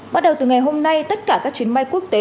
bắt đầu từ ngày hôm nay tất cả các chuyến bay quốc tế